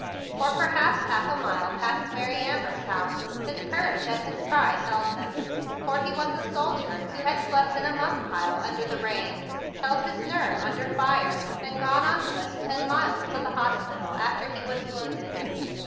For perhaps half a mile past Mary Amber's house his courage and his pride held him, for he was a soldier, who had slept in a muck pile under the rain, and held his nerve under fire, and THE BIG BLUE SOLDIER 101 gone on foot ten miles to the hospital after he was wounded.